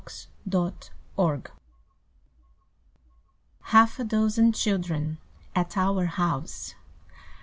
AT THE PARTY. Half a dozen children At our house!